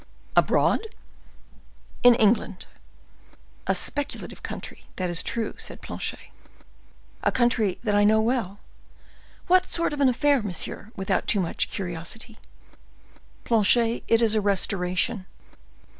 "Abroad?" "In England." "A speculative country, that is true," said Planchet,—"a country that I know well. What sort of an affair, monsieur, without too much curiosity?" "Planchet, it is a restoration."